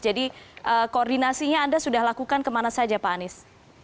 jadi koordinasinya anda sudah lakukan kemana saja pak anies